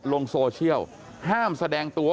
ลงโซเชียลห้ามแสดงตัว